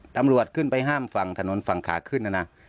ตำรวจขึ้นไปห้ามทะนงฝั่งขาขึ้นนะ